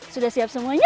sudah siap semuanya